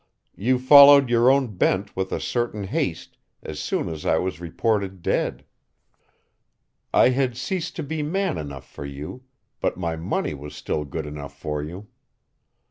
You followed your own bent with a certain haste as soon as I was reported dead. I had ceased to be man enough for you, but my money was still good enough for you.